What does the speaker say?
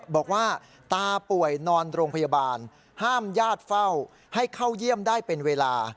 บอกว่าตาป่วยนอนโรงพยาบาลห้ามญาติเฝ้าให้เข้าเยี่ยมได้เป็นเวลา